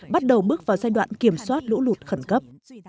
bắt đầu bước vào giai đoạn kiểm soát lũ lụt khẩn cấp